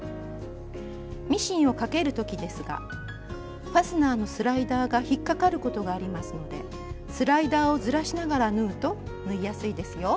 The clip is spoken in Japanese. ミシンをかける時ですがファスナーのスライダーが引っかかることがありますのでスライダーをずらしながら縫うと縫いやすいですよ。